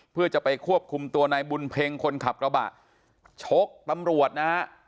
เพื่อจะไปควบคุมตัวนายบุญเพ็งคนขับกระบะชกตำรวจนะฮะ